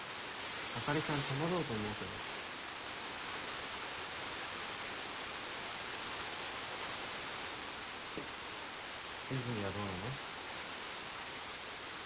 あかりさん戸惑うと思うけど和泉はどうなの？